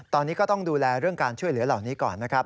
ตอนนี้ก็ต้องดูแลเรื่องการช่วยเหลือเหล่านี้ก่อนนะครับ